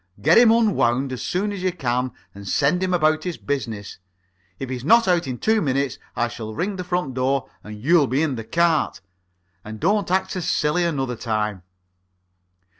Get him unwound as soon as you can, and send him about his business. If he's not out in two minutes, I shall ring the front door, and you'll be in the cart. And don't act so silly another time."